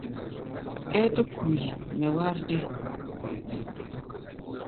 Ɛ́ɛ́ tɛ́ ku yi nɛ wár dée?